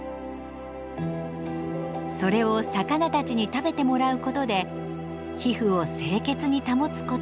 それを魚たちに食べてもらうことで皮膚を清潔に保つことができます。